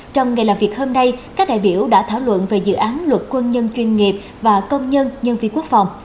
trong ngày làm việc hôm nay các đại biểu đã thảo luận về dự án luật quân nhân chuyên nghiệp và công nhân nhân viên quốc phòng